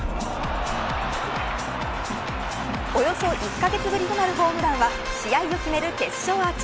およそ１カ月ぶりとなるホームランは試合を決める決勝アーチ。